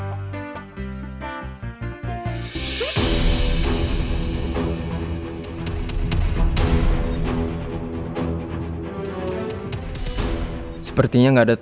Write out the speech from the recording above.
itu kini bangkat